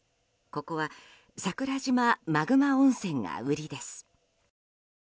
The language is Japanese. ここは桜島マグマ温泉が売りです。